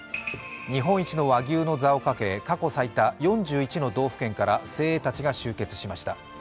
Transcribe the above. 日本一の和牛の座をかけ、過去最多４１の道府県から精鋭たちが集結しました。